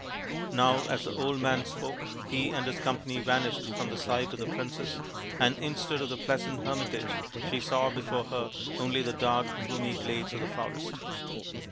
Now as the old man spoke he and his company vanished from the sight of the princess and instead of the pleasant hermitage she saw before her only the dark gloomy glades of the forest.